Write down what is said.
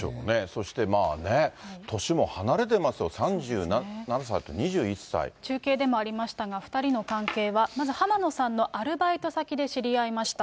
そして、年も離れてますよ、中継でもありましたが、２人の関係は、まず浜野さんのアルバイト先で知り合いました。